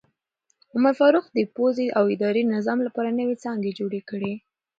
عمر فاروق د پوځي او اداري نظام لپاره نوې څانګې جوړې کړې.